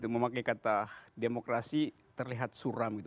memakai kata demokrasi terlihat suram gitu